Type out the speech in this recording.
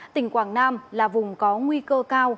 tỉnh quảng nam là vùng có nguy cơ cao